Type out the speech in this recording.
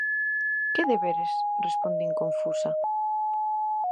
"Que deberes?", respondín confusa.